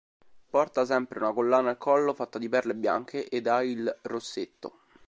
Porta sempre una collana al collo fatta di perle bianche ed ha il rossetto.